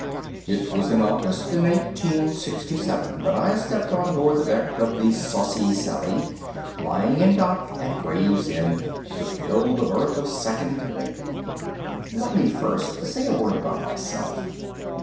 _) It was in August in 1867 that I stepped on board the deck of the Saucy Sally, lying in dock at Gravesend, to fill the berth of second mate. Let me first say a word about myself.